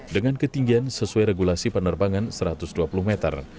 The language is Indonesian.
dengan ketinggian sesuai regulasi penerbangan satu ratus dua puluh meter